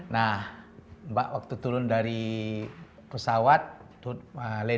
nah mbak waktu turun dari pesawat landing di bandara sultan syarif kasar